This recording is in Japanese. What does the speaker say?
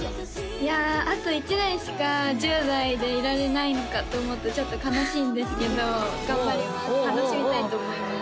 いやああと１年しか１０代でいられないのかって思うとちょっと悲しいんですけど頑張ります楽しみたいと思います